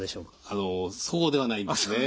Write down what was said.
あのそうではないんですね。